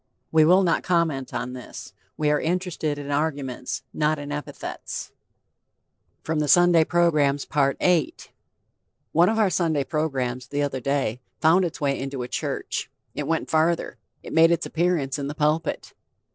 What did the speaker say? We will not comment on this. We are interested in arguments, not in epithets. VIII One of our Sunday programs, the other day, found its way into a church. It went farther; it made its appearance in the pulpit.